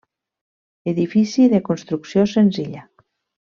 Edifici de construcció senzilla.